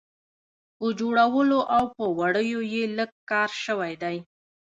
په جوړولو او په وړیو یې لږ کار شوی دی.